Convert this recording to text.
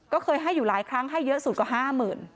ก็เคยให้อยู่หลายครั้งให้เยอะสุดกว่า๕๐๐๐บาท